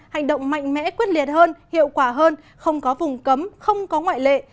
hành động mạnh mẽ quyết liệt hơn hiệu quả hơn không có vùng cấm không có ngoại lệ